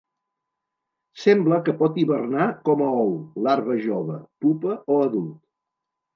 Sembla que pot hibernar com a ou, larva jove, pupa o adult.